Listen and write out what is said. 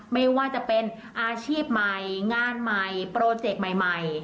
ไม่ว่าจะเป็นอาชีพใหม่งานใหม่โปรเจกต์ใหม่